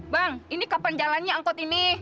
bang ini kapan jalannya angkot ini